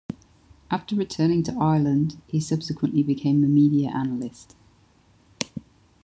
After returning to Ireland, he subsequently became a media analyst.